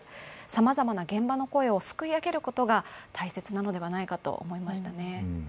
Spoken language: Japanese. さまざまな現場の声をすくい上げることが大切なのではないかと思いましたね。